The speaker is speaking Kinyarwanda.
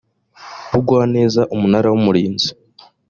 bugwaneza umunara w umurinzi